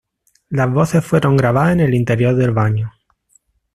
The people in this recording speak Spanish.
Las voces fueron grabadas en el interior del baño.